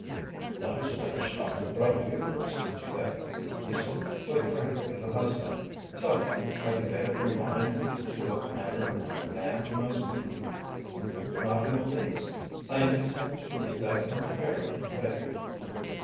"Let us finish talking about you first," he begged. "You spoke quite frankly of a husband. Tell me, have you made up your mind what manner of man he must be?" "Not in the least. I am content to leave that entirely to fate."